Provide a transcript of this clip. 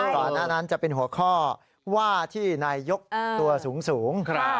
ก่อนหน้านั้นจะเป็นหัวข้อว่าที่นายยกตัวสูง